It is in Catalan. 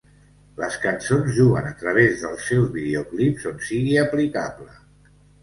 Les cançons juguen a través dels seus videoclips on sigui aplicable.